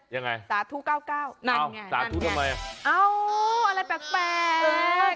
สาธุเก้าเก้านั่นไงสาธุทำไมอ่ะเอ้าอะไรแปลกแปลก